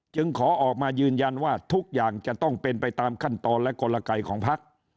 ขอออกมายืนยันว่าทุกอย่างจะต้องเป็นไปตามขั้นตอนและกลไกของพัก